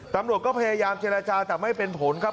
ตำรวจก็พยายามเจรจาแต่ไม่เป็นผลครับ